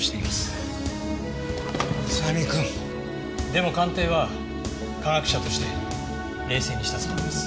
でも鑑定は科学者として冷静にしたつもりです。